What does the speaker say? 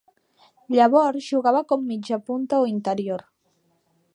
Llavors jugava com mitjapunta o interior.